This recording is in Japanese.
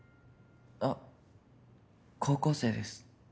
あっ高校生です。